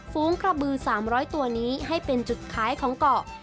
ฝูงกระบือ๓๐๐ตัวนี้ให้เป็นจุดขายของเกาะ